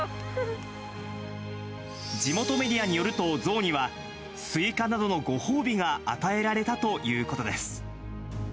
地元メディアによると、象には、スイカなどのご褒美が与えられたということです。